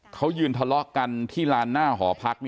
เขายืนทะเลาะกันที่ลานหน้าหอพัก